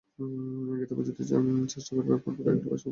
এই গীতা বুঝিতে চেষ্টা করিবার পূর্বে কয়েকটি বিষয় জানা আবশ্যক।